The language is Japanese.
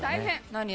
何？